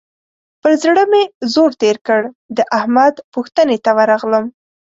پر زړه مې زور تېر کړ؛ د احمد پوښتنې ته ورغلم.